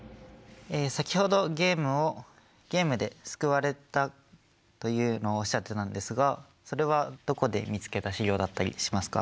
先ほどゲームをゲームで救われたというのをおっしゃってたんですがそれはどこで見つけた資料だったりしますか？